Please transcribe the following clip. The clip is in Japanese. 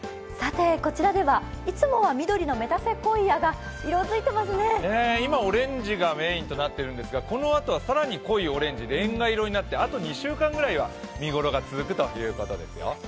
こちらではいつもは緑のメタセコイアが今、オレンジがメーンとなっていますがこのあとは更に濃いオレンジでレンガ色になって、あと２週間ぐらいは、見頃が続くということですよ。